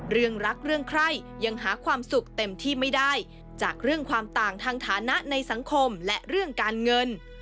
เรื่องรักเรื่องใครยังหาความสุขเต็มที่ไม่ได้จากเรื่องความต่างทางฐานะในสังคมและเรื่องการเงิน